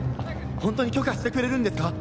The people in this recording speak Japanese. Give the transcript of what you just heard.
本当に許可してくれるんですか？